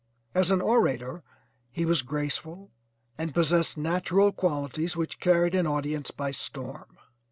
As an orator he was graceful, and possessed natural qualities which carried an audience by storm.